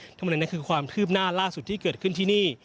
ทั้งหมดนั้นคือความคืบหน้าล่าสุดที่เกิดขึ้นที่นี่